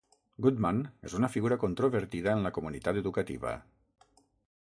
Goodman és una figura controvertida en la comunitat educativa.